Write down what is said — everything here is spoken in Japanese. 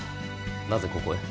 なぜここへ。